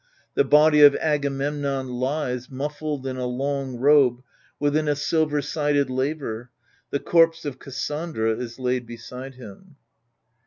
The body of Agamemnon lies, muffled in a longrobe^ within a silver sided lover J the corpse of Cassandra is laid beside him.